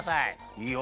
いいよ。